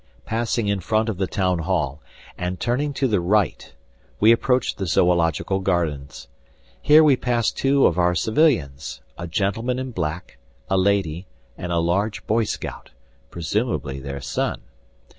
Passing in front of the town hall, and turning to the right, we approach the zoological gardens. Here we pass two of our civilians: a gentleman in black, a lady, and a large boy scout, presumably their son.